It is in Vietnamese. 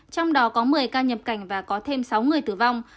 trong đó có một mươi ca nhập cảnh và có thêm sáu người tử vong